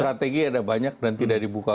strategi ada banyak dan tidak dibuka